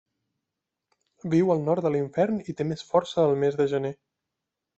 Viu al nord de l'infern i té més força al mes de gener.